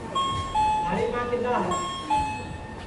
تھاری ماں کِدؔا ہے